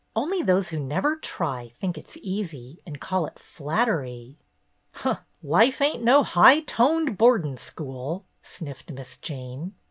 Only those who never try think it's easy and call it flattery." "Huh, life ain't no high toned boardin' school," sniffed Miss Jane.